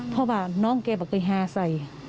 พ่อบอกว่าน้องแกบอกว่าเคยหาใส่